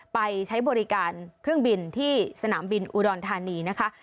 ไปใช้บริการเครื่องบินที่สนามบินอุดรธานีนะคะ